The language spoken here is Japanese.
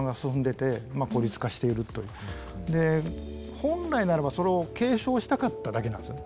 本来ならばそれを警鐘したかっただけなんですよね。